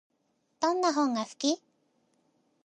どんな本が好き？